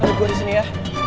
lalu gue disini ya